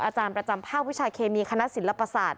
อาจารย์ประจำภาควิชาเคมีคณะศิลปศาสตร์